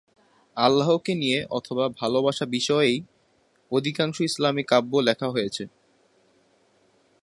আল্লাহকে নিয়ে অথবা ভালবাসা বিষয়েই অধিকাংশ ইসলামি কাব্য লেখা হয়েছে।